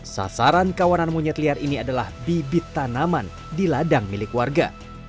sasaran kawanan monyet liar ini adalah bibit tanaman di ladang milik warga